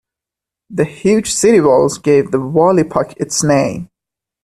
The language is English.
The huge city walls gave the wall epoch its name.